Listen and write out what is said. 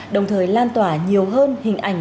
đồng thời lan tỏa nhiều hơn hình ảnh